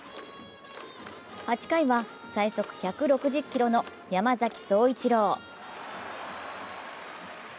８回は最速１６０キロの山崎颯一郎。